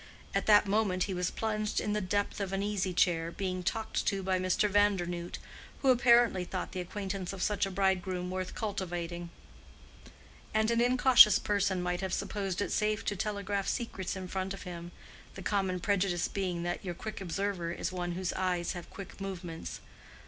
At that moment he was plunged in the depth of an easy chair, being talked to by Mr. Vandernoodt, who apparently thought the acquaintance of such a bridegroom worth cultivating; and an incautious person might have supposed it safe to telegraph secrets in front of him, the common prejudice being that your quick observer is one whose eyes have quick movements.